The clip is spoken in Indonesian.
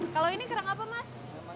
kalau ini kerang apa mas